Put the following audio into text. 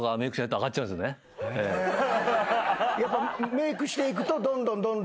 メークしていくとどんどんどんどん。